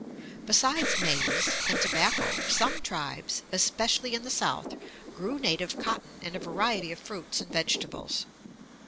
Besides maize and tobacco, some tribes, especially in the South, grew native cotton and a variety of fruits and vegetables.